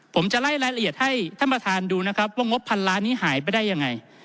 ผมจะไล่รายละเอียดให้ท่านประธานดูนะครับว่างบพันล้านนี้หายไปได้ยังไง